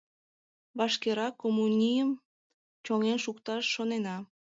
Вашкерак коммунийым чоҥен шукташ шоненна.